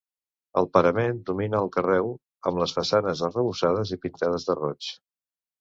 Al parament domina el carreu, amb les façanes arrebossades i pintades de roig.